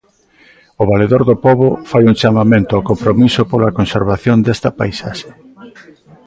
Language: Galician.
O Valedor do Pobo fai un chamamento ao compromiso pola conservación desta paisaxe.